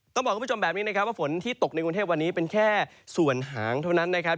ต้องบอกคุณผู้ชมแบบนี้นะครับว่าฝนที่ตกในกรุงเทพวันนี้เป็นแค่ส่วนหางเท่านั้นนะครับ